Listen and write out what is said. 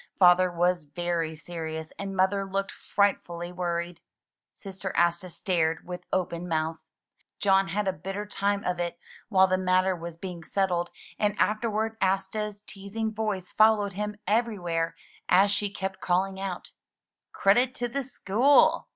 Father was very serious and Mother looked frightfully worried. Sister Asta stared with open mouth. John had a bitter time of it while the matter was being settled, and afterward Asta's teas ing voice followed him everywhere as she kept calling out: 102 THROUGH FAIRY HALLS ''Credit to the scho ol!